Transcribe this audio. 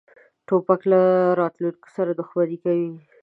توپک له راتلونکې سره دښمني کوي.